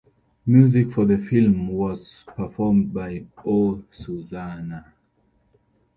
Music for the film was performed by Oh Susanna.